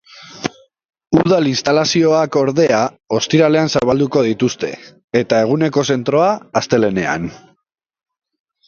Udal instalazioak, ordea, ostiralean zabalduko dituzte, eta eguneko zentroa astelehenean.